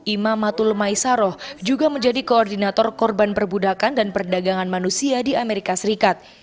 imam matul maisaroh juga menjadi koordinator korban perbudakan dan perdagangan manusia di amerika serikat